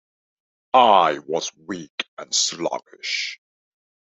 I was weak and sluggish.